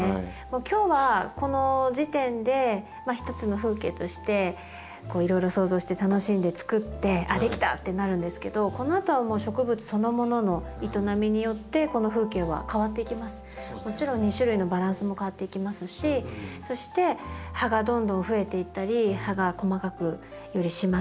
今日はこの時点でひとつの風景としていろいろ想像して楽しんでつくって「あっ出来た」ってなるんですけどこのあとはもちろん２種類のバランスも変わっていきますしそして葉がどんどん増えていったり葉が細かくより締まっていったりとか。